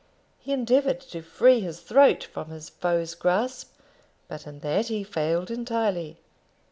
He endeavoured to free his throat from his foe's grasp; but in that he failed entirely.